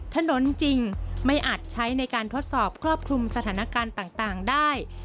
ถนนจริงไม่อาจใช้ในการทดสอบครอบคลุมสถานการณ์ต่างได้